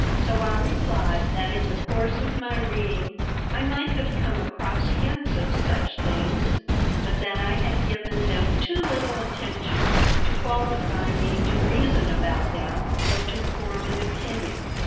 So I re plied that in the course of my reading I might have come across hints of such things, but that I had given them too little attention to qualify me to reason about them or to form an opinion.